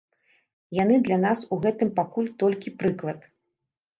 Яны для нас у гэтым пакуль толькі прыклад.